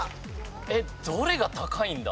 えっどれが高いんだ？